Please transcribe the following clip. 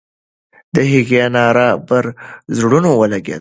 د هغې ناره پر زړونو ولګېده.